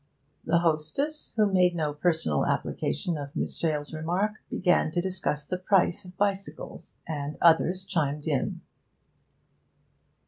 The hostess, who made no personal application of Miss Shale's remark, began to discuss the prices of bicycles, and others chimed in.